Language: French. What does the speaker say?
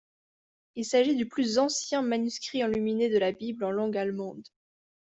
Il s'agit du plus ancien manuscrit enluminé de la bible en langue allemande.